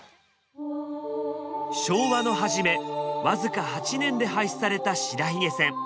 昭和の初め僅か８年で廃止された白鬚線。